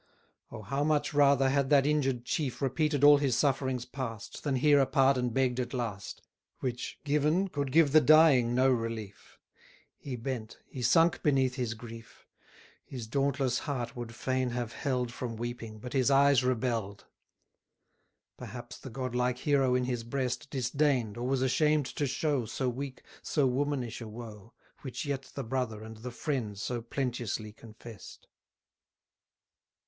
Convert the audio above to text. Oh, how much rather had that injured chief Repeated all his sufferings past, Than hear a pardon begg'd at last, Which, given, could give the dying no relief! He bent, he sunk beneath his grief: His dauntless heart would fain have held From weeping, but his eyes rebell'd. Perhaps the godlike hero in his breast Disdain'd, or was ashamed to show, So weak, so womanish a woe, Which yet the brother and the friend so plenteously confess'd.